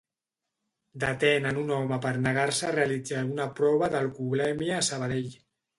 Detenen un home per negar-se a realitzar una prova d'alcoholèmia a Sabadell